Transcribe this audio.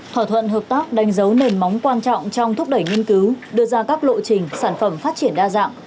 thỏa thuận hợp tác đánh dấu nền móng quan trọng trong thúc đẩy nghiên cứu đưa ra các lộ trình sản phẩm phát triển đa dạng